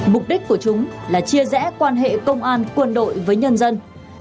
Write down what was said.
mục đích của chúng là chia rẽ quan hệ công an quân đội với nhân dân